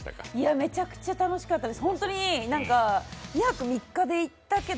いや、めちゃくちゃ楽しかったです。